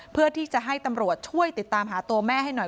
เพื่อที่จะให้ตำรวจช่วยติดตามหาตัวแม่ให้หน่อย